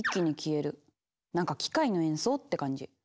なんか機械の演奏って感じ。